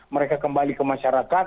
mereka kembali ke masyarakat